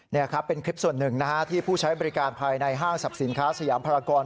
นี่ครับเป็นคลิปส่วนหนึ่งนะฮะที่ผู้ใช้บริการภายในห้างสรรพสินค้าสยามพรากร